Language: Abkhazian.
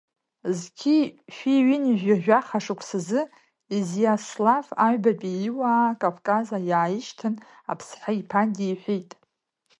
Зқьи шәи ҩынҩажәеи жәаха шықәсазы, Изиаслав Аҩбатәи иуаа Кавказ иааишьҭын, Аԥсҳа иԥҳа диҳәеит.